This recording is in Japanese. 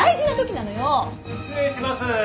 失礼します。